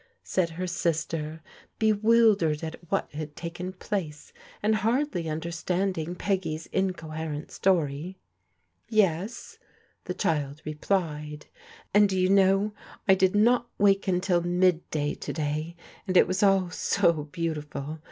said her sis ter, bewildered at what had taken place, and hardly un derstanding Peggy's incoherent story. "Yes," the child replied; "and do you know I did not wake until midday to day, and it was all so beauti ful.